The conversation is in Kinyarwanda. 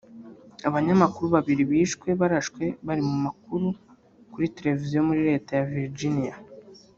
Abanyamakuru babiri bishwe barashwe bari mu makuru kuri televiziyo muri Leta ya Virginia